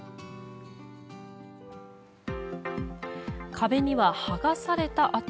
壁には剥がされた跡。